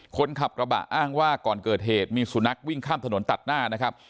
คนขับกระบะอ้างว่าก่อนเกิดเหตุมีสุนัขวิ่งข้ามถนนตัดหน้านะครับ